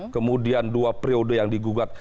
kemudian dua periode yang digugat